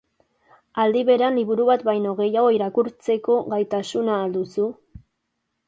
Aldi berean liburu bat baino gehiago irakurtzeko gaitasuna al duzu?